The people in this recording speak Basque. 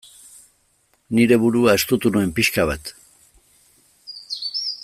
Nire burua estutu nuen pixka bat.